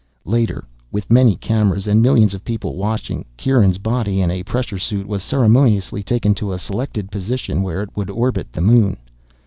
Later, with many cameras and millions of people watching, Kieran's body, in a pressure suit, was ceremoniously taken to a selected position where it would orbit the Moon.